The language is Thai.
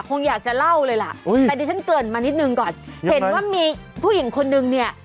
คงอยากจะเล่าเลยล่ะอุ้ยแต่เดี๋ยวฉันเกินมานิดหนึ่งก่อนยังไงเห็นว่ามีผู้หญิงคนนึงเนี่ย